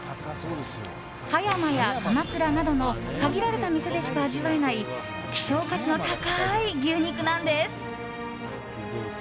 葉山や鎌倉などの限られた店でしか味わえない希少価値の高い牛肉なんです。